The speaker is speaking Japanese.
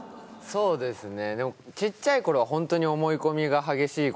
そうですね。